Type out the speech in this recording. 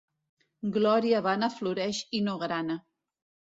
Glòria vana floreix i no grana.